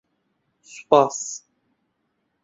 سوپاس!